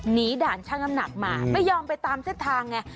ด่านช่างน้ำหนักมาไม่ยอมไปตามเส้นทางไง